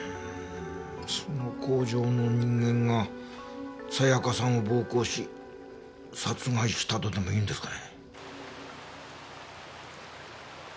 その工場の人間がさやかさんを暴行し殺害したとでもいうんですかね？